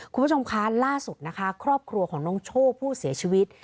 คุณผู้ชมคะล่าสุดนะคะครอบครัวของน้องโชคผู้เสียชีวิต